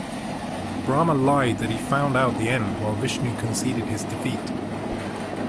Brahma lied that he found out the end, while Vishnu conceded his defeat.